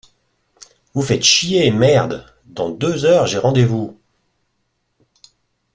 Vous faites chier, merde. Dans deux heures, j’ai rendez-vous